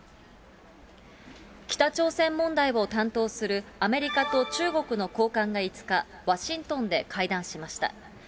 北朝鮮問題を担当するアメリカと中国の高官が５日、ワシントンで会談しました。